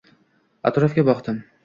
Atrofga boqdim.